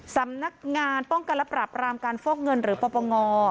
สำนักงานป้องกันและปรับรามการฟอกเงินหรือปปง